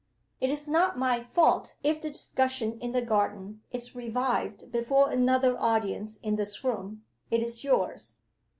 It is not my fault if the discussion in the garden is revived before another audience in this room it is yours."